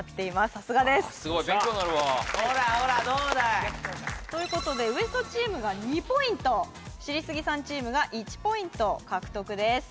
さすがです・すごい勉強になるわほらほらどうだ！ということでＷＥＳＴチームが２ポイント知りスギさんチームが１ポイント獲得です